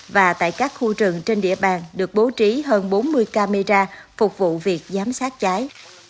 và tại các khu rừng trên địa bàn được bố trí hơn bốn mươi camera phục vụ việc giám sát cháy